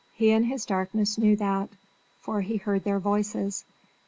He in his darkness knew that; for he heard their voices.